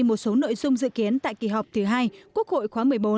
một số nội dung dự kiến tại kỳ họp thứ hai quốc hội khóa một mươi bốn